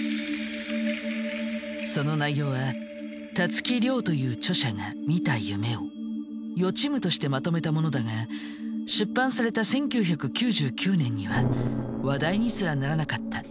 その内容はたつき諒という著者が見た夢を予知夢としてまとめたものだが出版された１９９９年には話題にすらならなかった。